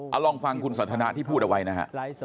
เอาลองฟังคุณสันทนาที่พูดเอาไว้นะฮะ